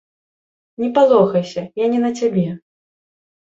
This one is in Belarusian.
Не палохайся, я не на цябе!